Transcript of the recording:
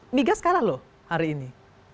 ini juga skala loh hari ini